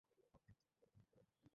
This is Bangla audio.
তিনি মোগল সম্রাট হুমায়ুনের কন্যা।